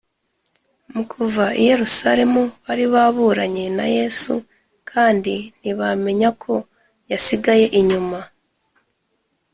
. Mu kuva i Yerusalemu bari baburanye na Yesu, kandi ntibamenya ko yasigaye inyuma